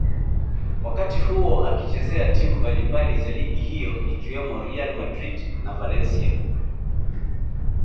wakati huo akizichezea timu mbalimbali za ligi hiyo ikiwemo Real Madrid na Valencia